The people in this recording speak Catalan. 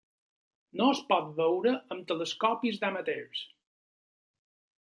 No es pot veure amb telescopis d'amateurs.